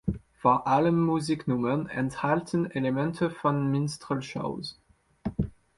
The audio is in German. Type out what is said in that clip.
Vor allem Musiknummern enthalten Elemente von Minstrel Shows.